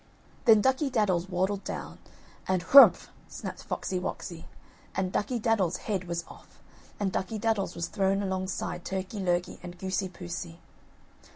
Then Ducky daddles waddled down, and "Hrumph," snapped Foxy woxy, and Ducky daddles' head was off and Ducky daddles was thrown alongside Turkey lurkey and Goosey poosey.